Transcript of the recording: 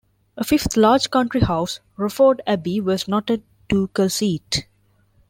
A fifth large country house, Rufford Abbey, was not a ducal seat.